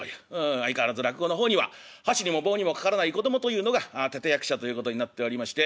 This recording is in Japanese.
相変わらず落語の方には箸にも棒にも掛からない子供というのが立て役者ということになっておりまして。